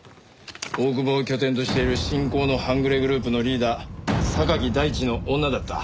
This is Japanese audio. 大久保を拠点としている新興の半グレグループのリーダー大地の女だった。